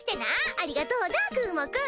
ありがとうなくぅもくん！